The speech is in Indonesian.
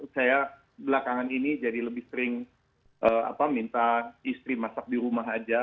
saya belakangan ini jadi lebih sering minta istri masak di rumah aja